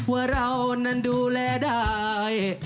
ว่าเรานั้นดูแลได้